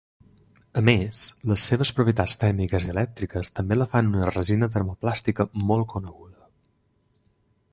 A més, les seves propietats tèrmiques i elèctriques també la fan un resina termoplàstica molt coneguda.